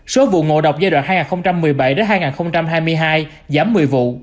số vụ ngộ độc giai đoạn hai nghìn một mươi bảy hai nghìn hai mươi hai giảm một mươi vụ